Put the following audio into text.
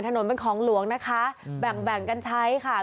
ถนนเป็นของหลวงนะคะแบ่งกันใช้ค่ะ